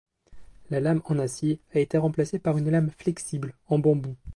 La lame en acier a été remplacée par une lame flexible en bambou.